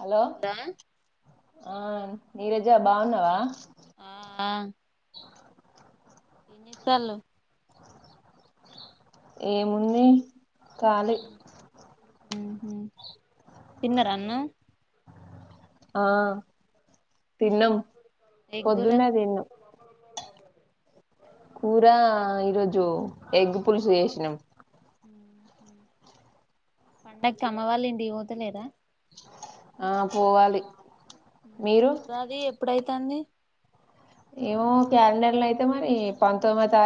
Hello ఆహ్ నీరజ బాగున్నావా. ఆహ్ ఆ ఏన్జెస్సల్లు ఏముంది. కాలీ ఉహ్ హు తిన్నార అన్నం ఆహ్ తిన్నం ఏం కూర పొద్దున్నే తిన్నం కూర ఈరోజు ఎగ్ పులుసు చేసినాం. ఉహ్ హు పండకి అమ్మ వాళ్ళ ఇంటికి పోతలేద ఆహ్ పోవాలి. మీరు ఉహ్ ఉగాది ఎప్పుడైతంది. ఏమో క్యాలెండర్ లో అయితే మరి పంతొమ్మిదో తారీఖు ఉన్నది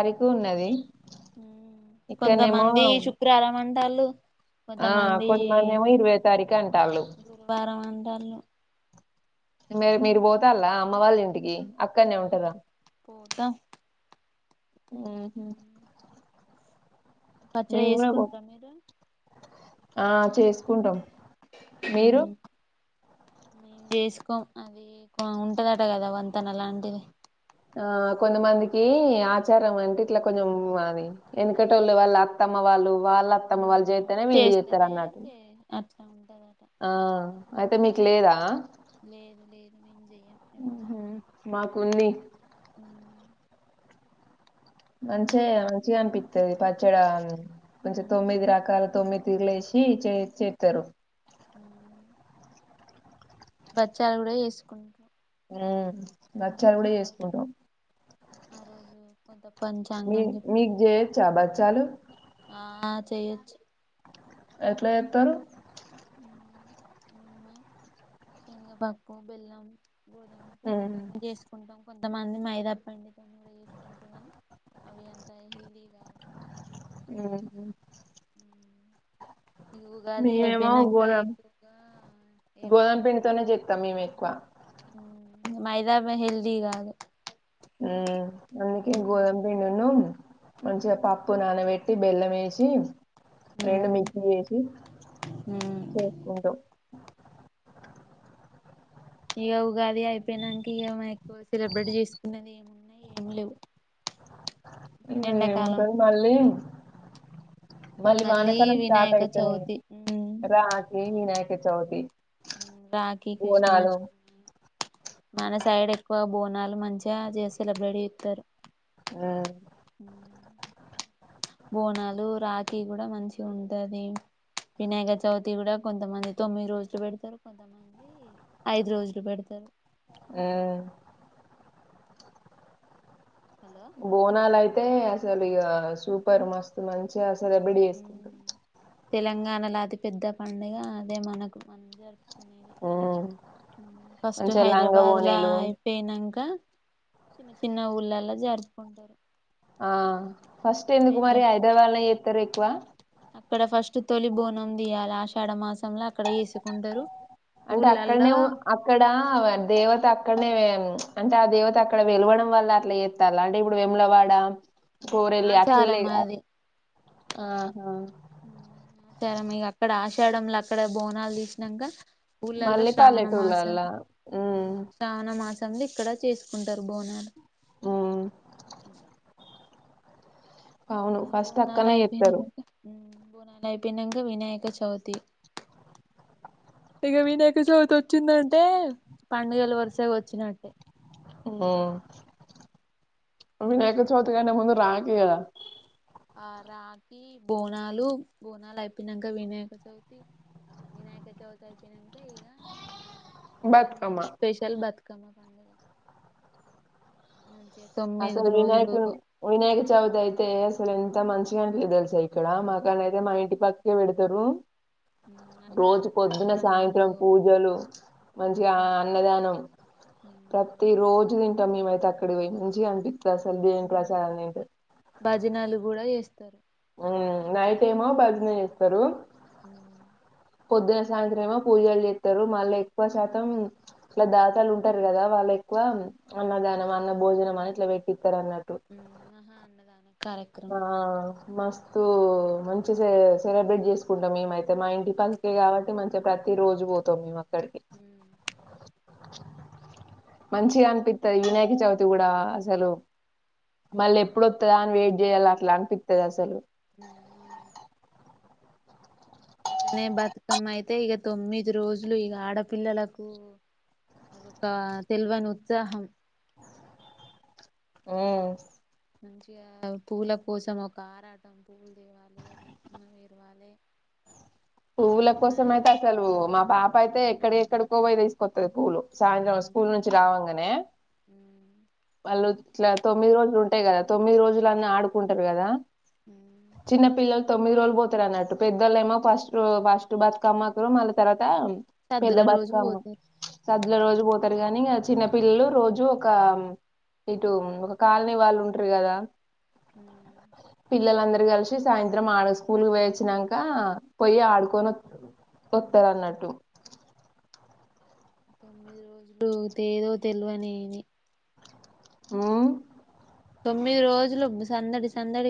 ఇక్కడనేమో కొంతమంది శుక్రవారం అంట తాలూ ఆ కొంతమంది ఏమో ఇరవై తారీఖు అంటళ్ళు తాళ్లు మీ మీరు పోతలా అమ్మ వాళ్ళ ఇంటికి ఆ పోతా ఊహు పచ్చడి మేము కూడా పో చేసుకుంటార మీరు ఆ చేస్ చేసుకుంటాం మీరు మేం చేసుకోం అది బాగుంటది కదా వంతెన లాంటిది ఆ కొంతమందికి ఆచారం అంటే ఇట్లా కొంచెం అది వెనకటోళ్ళ వాళ్ళు అత్తమ్మ వాళ్ళు వాళ్ళ అత్తమ్మ వాళ్ళు చేస్తేనే వీళ్ళు చేస్తారు అన్నట్టు అవును ఆ అయితే మీకు లేదా లేదు లేదు మేము చెయ్యం ఊహు ఎప్పుడైనా మాకుంది మంచిగా మంచిగా అనిపిస్తది పచ్చడి కొంచెం తొమ్మిది రకాల తొమ్మిది తిరుగులేసీ చే చేతారు బచ్చాలు కూడా చేసుకుంటాం ఉ బచ్చాలు కూడా ఆ రోజు చేసుకుంటాం ఆ రోజు కొంత మీ పంచాంగం మీకు చేయొచ్చా బచ్చాలు చేయొచ్చు ఎట్లా చేస్తారు శనగపాకం బెల్లం గోదమ ఉమ్ పిండితోనే చేసుకుంటాం కొంతమంది మైదా పండితో కూడా చేసుకుంటారు అవి ఎంత హెల్తీ నో ఏమో ఊ ఈ ఉగాది మేమేమో అయిపోయినంక గోధామ్ ఎక్కువగా గోధామ ఏమున్నాయి పిండితోనే పండుగలు చెస్తాం మేము ఎక్కువ మైదా హెల్ది కాదు ఊ అందుకే గోదమ్ పిండి ను మంచిగా పప్పు నానబెట్టి బెల్లం వేసి ఉ రెండు మిక్సీ చేసి చేసుకుంటాం ఇక ఉగాది అయిపోయినంక ఏమై సెలబ్రేట్ చేసుకున్నది ఏమ్ ఏమ్ లేవు ఏముంటది మళ్ళీ ఎండాకాలంలో మళ్ళీ వానకాలం స్టార్ట్ వినాయక అయితున్నాయి చవితి రాజ వినాయక చవితి రాఖీ బోనాలు కృష్ణాస్టమి మనస్సు సైడ్ ఎక్కువ బోనాలు మంచిగా చే సెలబ్రేట్ ఇస్తారు హ్మ్ బోనాలు రాఖీ కూడా మంచి ఉంటది, వినాయక చవితి కూడా కొంతమంది తొమ్మిది రోజులు పెడతారు, కొంతమంది ఐదు రోజులు పెడతారు. మ్ హలో బోనాలయితే తె అసలు ఇగ సూపర్ మస్త్ మంచి సెలబ్రేట్ చేసుకుంటాం తెలంగాణలో అది పెద్ద పండుగ అదే మనకు హ్మ్ ఫస్ట్ మంచిగా లంగా హైదరాబాద్ లా ఓణీలు అయిపోయినాక చిన్న చిన్న ఊర్లలా జరుపుకుంటారు ఆ ఫస్ట్ ఎందుకు అయితే మారి హైదరాబాద్ లో ఎత్ త ఎకువ అక్కడ ఫస్ట్ తొలి బోనం దియాల, ఆషాఢమాసంలో అక్కడ వేసుకుంటారు అంటే అక్కడనే ఊళ్ళలో అక్కడ దేవత అక్కడనే అంటే ఆ దేవత అక్కడ వెలవడం వల్ల అట్లా ఎస్తాల అంటే ఇప్పుడు వెములవాడా కోరలి అట్లలే ఆచారం అది ఆహా [unintelligible] అక్కడ ఆషాడంలో అక్కడ బోనాలు తీసినాక పూలల్లో మళ్ళీ శ్రావణ మాసం పల్లెటూర్లల్ల ఉమ్ శ్రావణ మాసం తాంది ఇక్కడ చేసుకుంటారు బోనాలు ఉమ్ అవును ఫస్ట్ అక్కనే భోనాలఅయిపోయేనా చేత్తరు వరకు భోనాలు అయిపోయినాంక వినాయక చవితి, ఇక వినాయక చవితి వచ్చిందంటే పండుగల వరుసగా వచ్చినట్టే మ్ వినాయక చతుగానే ముందు నాక్కే కదా ఆ రాగి బోనాలు, బోనాలు అయిపోయినాక వినాయక చవితి, వినాయక చవితి అయిపోయినాక ఇక మన తెలంగాణ బతుకమ్మ స్పెషల్ బ క్కమ పండుగా అసలు వినాయక వినాయక చవితి అయితే అసలు ఎంత మంచిగాని తెలుసా ఇక్కడ మా అయితే మంటి పక్క ద్దరు రోజు అన్నదాన పొద్దున కార్యక్రమాలు సాయంత్రం పూజలు మంచిగా అన్నదానం ప్రతిరోజూ మేమైతే అక్కడ పోయి [inaudible] అసల్ దేవుని ప్రసాదం తిన్ తరు ఉ నైట్ ఏమో భజన చేస్తారు. హ్ పొద్దున సాయంత్రమో పూజలు చేస్తారు మళ్ళ ఎక్కువ శాతం ఇట్ల దాతలు ఉంటారు కదా వాళ్ళ ఎక్కువ అన్నదానం అన్న భోజనం అని అవును ఇట్ల పెట్టిస్తార్ అన్నట్టు మహా అన్నదాన ఆ కార్యక్రమం మస్తు మంచి సె సెలబ్రేట్ చేసుకుంటాం మేమైతే మా ఇంటి పక్కకే కాబట్టి మంచిగా ప్రతి రోజు పోతాం మేము అక్కడ హ్ మంచిగా అనిపిస్తది వినాయక చవితి గూడా అసలు మళ్ళీ ఎప్పుడోస్తదా అని వేట్ చేయాల్ అట్ల అనిపిత్తదసలు హ్ అవును అంటనే బతుకమ్మ అయితే ఇగ తొమ్మిది రోజులు ఇగ ఆడపిల్లలకు అదొక తెల్వని ఉత్సాహం ఆ మంచిగా పూల కోసం ఒక ఆరాటం పూలు తేవాలే బతుకమ్మ పెర్వాలె పువ్వుల కోసం మన అయితే అసలు మా పాప పయితే ఎక్కడ ఎక్కడికో పోయి తీసుకొత్తది పూలు సాయంత్రం స్కూల్ నుంచి రావంగానే వాళ్ళు ఇట్ల తొమ్మిది రోజులు ఉంటాయి కదా తొమ్మిది రోజులు అన్న ఆడుకుంటరు కదా చిన్న పిల్లల్ తొమ్మిది రోజులు పోతరన్నట్టు పెద్దలేమో ఫస్ట్ ఫస్టు బతుకమ్మకు మళ్ళ తర్వాత తా పెద్ద సద్దుల రోజు బతుకమ్మ పోతారు సద్దుల రోజు పోతరు గనీ ఇగ చిన్న పిల్లలు రోజు ఒక ఇటు ఒక కాలనీ వాళ్ళు ఉంటరు కదా హ్ పిల్లలందరూ కలిసి సాయంత్రం ఆడ స్కూల్కి పోయి వచ్చినంకా పోయి ఆడుకోన్ కొత్తరన్నట్టు తొమ్మిది రోజులు ఎదో తెల్వనిని మ్ తొమ్మిది రోజులు సందడి సందడిగా అయిపోతది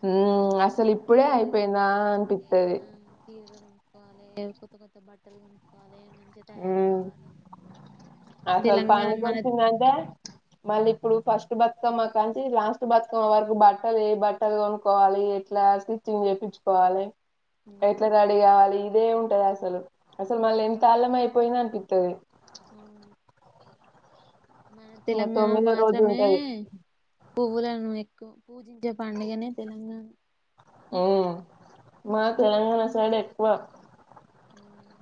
హ్మ్ అసల్ ఇప్పుడే అయిపోయిందా అనిపిత్తది. కోవాలే కొత్త కొత్త బట్టల్ కొనుక్కోవాలే మ మ్ అసల్ తెలంగాణ మన పడుగొచ్చినంక మళ్ ఇప్పుడు ఫస్ట్ బతుకమ్మ కానీ లాస్ట్ బతుకమ్మ వరకు, బట్టలు ఏ బట్టలు కొనుకోవాలి ఎట్లా స్టిచ్చింగ్ చేపించుకోవాలి ఎట్ల రెడీ కావాలి అదే ఉంటది అసలు అసలు మళ ఎంత మపోయినా అనిపితది అవును మన ఇంక తెలంగాణ తొమ్మిదో రోజు మాత్రమే ఉంటది పువ్వులను ఎక్కువ పూజించే పండుగనే తెలంగాణ మ్ మా తెలంగాణ సైడ్ వ బోనాలు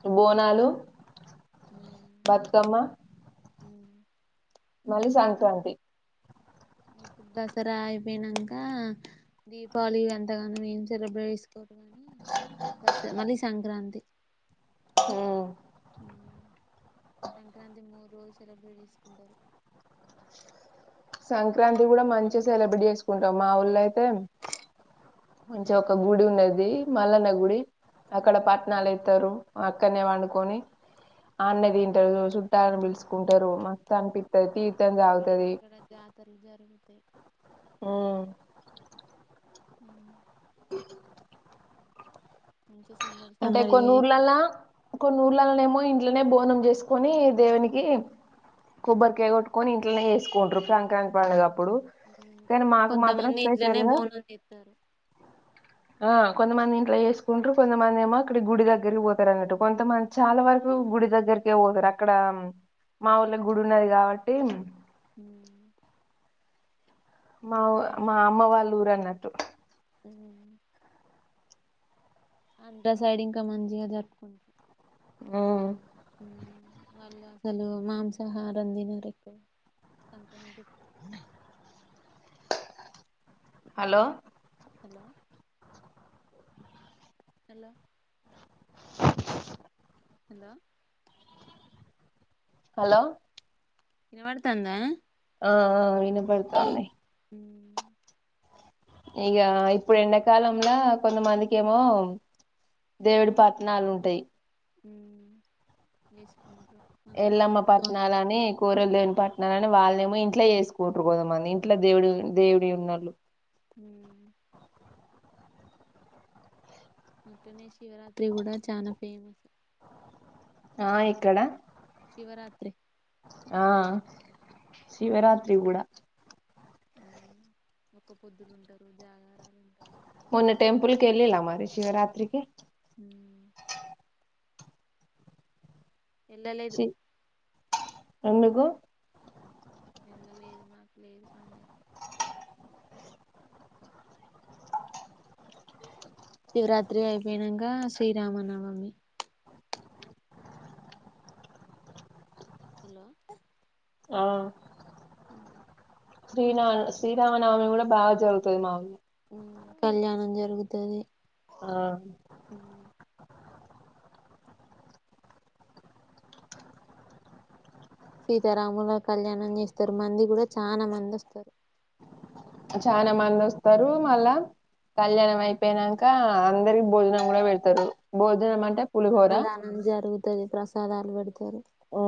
బతుకమ్మా ఉ మళ్ళీ సంక్రాంతి ఇప్పుడు దసరా అయిపోయినాక దీపావళి ఎంతగానో నేం సెలబ్రేట్ దస్ మళ్ళి సంక్రాంతి ఉ సంక్రాంతి మూడు రోజు సెలెబ్రేట్ చేసుకుంటారు సంక్రాంతి కూడా మంచిగా సెలబ్రేట్ చేసుకుంటం మా ఊళ్ళ అయితే మంచిగా ఒక బూడి ఉన్నది మల్లనా గుడి అక్కడ పట్ణాలు యితారు అక్కనే పండుకొని అనే తింటారు చుట్టాలని పిలుచుకుంటారు చానిపితాయి [inaudible] ఇత్రలు జరుగుతాయి ఉ ఉ అంచి అంటే కొన్ని చేస్తారు ఊర్లలో కొన్ని ఊర్లలోనే మో ఇంట్లోనే బోనం చేసుకుొని దేవునికి కొబ్బరికయ కొట్టుొని ఇంట్లోనే చెస్ కోట్రు ఫ్యాంకంక్ పాలే మాకు మాత్రం కొంతమంది ఇట్లనే స్పెషల్ గా బాందని చెప్తారు ఆ కొంతమంది ఇంట్లో చేసుకుంట్రరు కొంత మంది ఏమో అక్కడి గుడి దగ్గరికి పోతారు అన్నట్టు కొంతమంది చాలా వరకు గుడి దగ్గరికే పోతరు అక్కడ మా ఊళ్ళ గుడి ఉన్నది కాబట్టి హ మావ్ మా అమ్మ వాళ్ళ ఊరన్న మ్మ్ అంతా సైడ్ ఇన్కమ్ మంచిగ జరుపు ఆ వాళ్ళు అసలు మాంసాహారం తినుడు ఎక్కువ hello hello hello hello hello ఇనబడతాందా ఆ ఆ వినపడతాంది హ్మ్. ఇగ ఇప్పుడు ఎండాకాలంల కొంతమందికేమో దేవుడి పట్టనాలు ఉంటయి మ్మ్ ఎల్లమ్మ పట్నాలని సోమవారం కూరలు దేని పట్నాల వాళ్ళేమో ఇంట్లో చేసుకుంటరు కదా మన ఇంట్లో దేవుడి దేవుడి ఉన్న హమ్ అక్కనే శివరాత్రి గూడా చనా ఫేమస్ ఆ ఇక్కడ శివరాత్రి ఆ శివరాత్రి గూడా ఒ పొద్దుడు ఉంటారు జాగారాలు ఉంటారు మొన్న టెంపుల్కి ఎల్లిల మరి శివరాత్రికి హ్మ్. వెళ్ళలేదు ఎందుగు వెళ్ళలేదు నాకు లేదు పండగ శివరాత్రి అయిపోయినంక శ్రీరామనవమి హలో ఆ హమ్ శ్రీనా శ్రీరామనవమి గూడా బాగా జరుగుతుది మా ఊర్లో కళ్యాణం జరుగుతది ఆ సీతారాముల కళ్యాణం చేస్తరు మంది గూడా చాలా మంది వస్తరు చనా మంది వస్తరు మళ్ళా కళ్యాణం అయిపోనంక అందరికి భోజనం గూడా పెడతారు భోజనం అంటే పులిహోర ది ప్రసాదాలు పెడతారు ఉ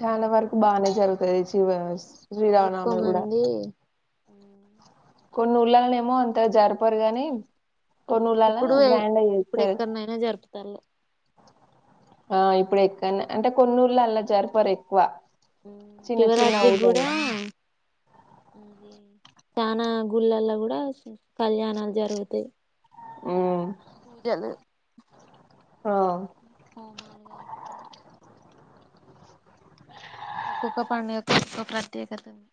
చాలా వరకు బానే జరుగు తెచ వస్ చాలా శ్రీరామ ఎక్కువ నవమి కూడా మంది కొన్ని ఊళ్లనేమో అంత జరిపరు గాని కొన్ని ఊర్లలా ఇప్పుడు గ్రాండ్ గా ఇప్పుడు చేస్తారు ఎక్కడనైనా జరుపుతళ్ళు ఇప్పుడు ఎక్కన్నా అంటే కొన్నూళ్లో అలా జరిపరు ఎక్కువ మ్ చిన్న చిన్న శివరాత్రి ఊర్లల్ల కూడా అది చనా గుళ్ళల్లో కూడా కళ్యాణాలు జరుగుతాయి ఉమ్ పూజలు ఆ హోమాలు [unintelligible] ఒకొ ఒక పన్ని ఒక ఒక క ప్రత్యేకత ఉంది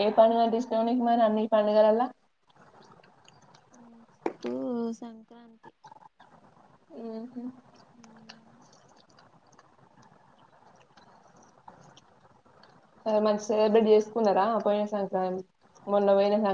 ఏ పండుగలు తీసావు ననికి మరి అన్ని పండుగలలా సంక్రాంతి ఉ ఉ మంచి సెలబ్రేట్ చేసుకున్నారా పోయిన సంక్రాంతి మొన్న పోయిన సంక్రాంతికి